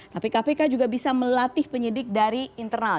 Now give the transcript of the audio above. tapi kpk juga bisa melatih penyidik dari internal